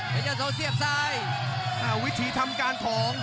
พระเจ้าโสเสียบซ้ายอ้าววิถีทำการทอง